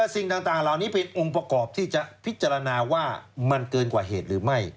สิ่งต่างเหล่านี้เป็นองค์ประกอบที่จะพิจารณาว่ามันเกินกว่าเหตุหรือไม่